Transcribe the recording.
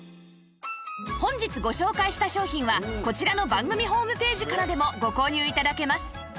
本日ご紹介した商品はこちらの番組ホームページからでもご購入頂けます